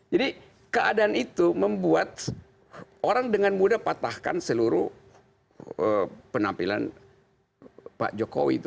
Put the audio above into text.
jadi keadaan itu membuat orang dengan muda patahkan seluruh penampilan pak jokowi itu